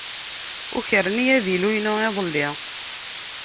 Ukren-iyi avilu-inu iḍelli.